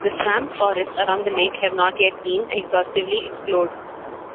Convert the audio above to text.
The swamp forests around the lake have not yet been exhaustively explored.